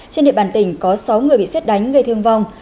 trên địa bàn tỉnh có sáu người bị xét đánh gây thương vong